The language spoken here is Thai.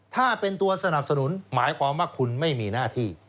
ถ้าเป็นตัวสนับสนุนหมายความว่าคุณไม่มีหน้าที่